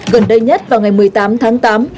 gần đây nhất vào ngày một mươi tám tháng tám